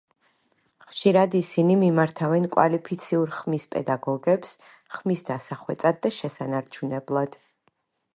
ხშირად ისინი მიმართავენ კვალიფიციურ ხმის პედაგოგებს ხმის დასახვეწად და შესანარჩუნებლად.